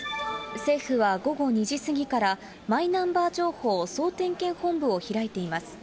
政府は午後２時過ぎから、マイナンバー情報総点検本部を開いています。